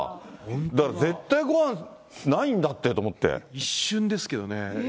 だから絶対ごはんないんだってと一瞬ですけどね。